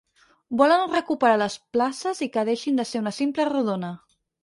Volen recuperar les places i que deixin de ser una simple rodona.